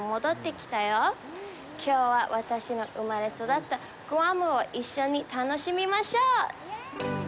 きょうは、私の生まれ育ったグアムを一緒に楽しみましょう！